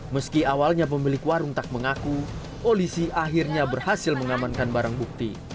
meski awalnya pemilik warung tak mengaku polisi akhirnya berhasil mengamankan barang bukti